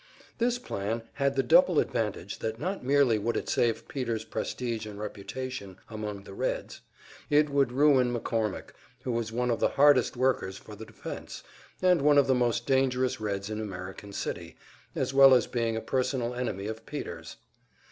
This plan had the double advantage that not merely would it save Peter's prestige and reputation, among the Reds, it would ruin McCormick, who was one of the hardest workers for the defense, and one of the most dangerous Reds in American City, as well as being a personal enemy of Peter's.